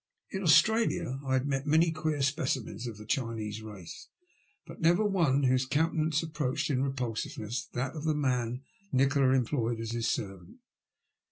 In Australia I had met many queer specimens of the Chinese race, but never one whose countenance approached in repulsiveness that of the man Nikola employed as his servant.